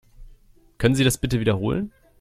Können Sie das bitte wiederholen?